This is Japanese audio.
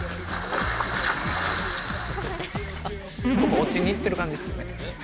落ちにいってる感じですよね。